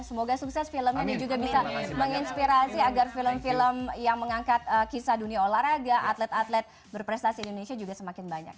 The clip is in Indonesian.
semoga sukses filmnya dan juga bisa menginspirasi agar film film yang mengangkat kisah dunia olahraga atlet atlet berprestasi indonesia juga semakin banyak